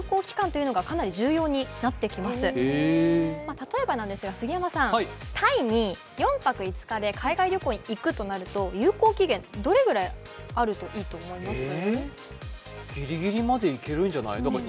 例えばですが、杉山さん、タイに４泊５日で海外旅行に行くとなると有効期限どのくらいあるといいと思いますか？